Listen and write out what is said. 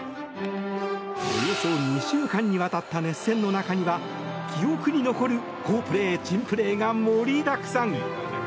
およそ２週間にわたった熱戦の中には記憶に残る好プレー、珍プレーが盛りだくさん。